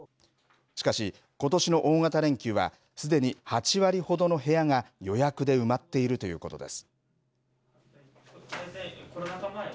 しかし、ことしの大型連休はすでに８割ほどの部屋が予約で埋まっているということです。